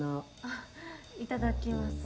あっいただきます。